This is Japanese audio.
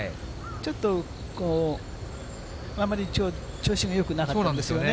ちょっとあまり調子がよくなかったんですよね。